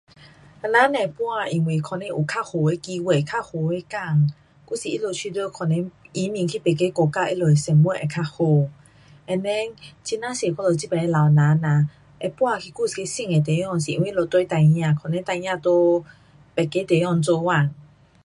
人如会搬是因为他们觉得有较好的机会，较好的工，还是他们觉得可能移民去别的国家，他们的生活会较好。and then 很呀多我们这边的老人呐，会搬去另一个新的地方是因为他们跟孩儿，可能孩儿在别个地方做工。